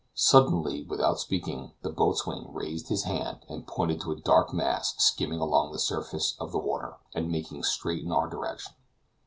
Suddenly, without speaking, the boatswain raised his hand and pointed to a dark mass skimming along the surface of the water, and making straight in our direction.